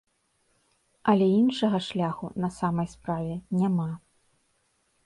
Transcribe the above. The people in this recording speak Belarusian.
Але іншага шляху, на самай справе, няма.